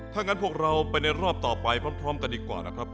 ถ้างั้นพวกเราไปในรอบต่อไปพร้อมกันดีกว่านะครับ